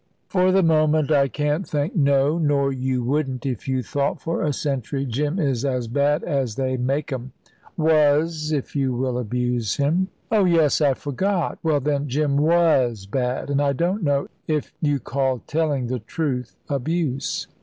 "For the moment, I can't think " "No; nor you wouldn't if you thought for a century. Jim is as bad as they make 'em." "Was if you will abuse him." "Oh yes, I forgot. Well, then, Jim was bad; and I don't know if you call telling the truth abuse."